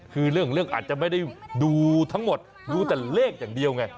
คือเรื่องของเรื่องอาจจะไม่ได้ดูทั้งหมดรู้แต่เลขอย่างเดียวไง